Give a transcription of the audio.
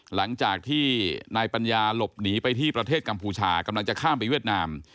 หลังจากที่นายปัญญาหลบหนีไปที่ประเทศกัมพูชากำลังจะข้ามไปเวียดนาม